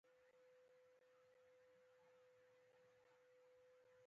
ازادي راډیو د د جګړې راپورونه لپاره عامه پوهاوي لوړ کړی.